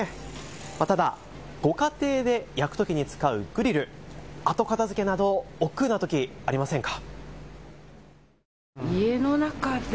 ただご家庭で焼くときに使うグリル、後片づけなどおっくうなとき、ありませんか。